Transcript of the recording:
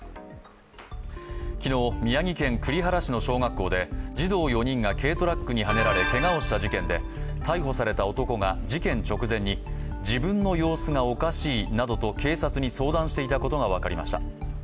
昨日、宮城県栗原市の小学校で児童４人が軽トラックにはねられけがをした事件で、逮捕された男が事件直前に、様子がおかしいなどと警察に相談していたことが分かりました。